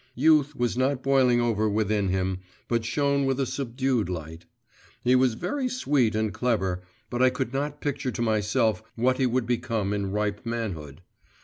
Youth was not boiling over within him, but shone with a subdued light. He was very sweet and clever, but I could not picture to myself what he would become in ripe manhood.